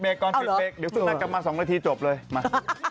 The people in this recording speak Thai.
เดี๋ยวจุ๊กนักกลับมา๒นาทีจบเลยมา